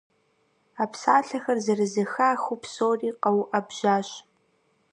А псалъэхэр зэрызэхахыу псори къэуӀэбжьащ.